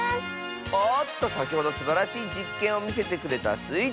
おっとさきほどすばらしいじっけんをみせてくれたスイ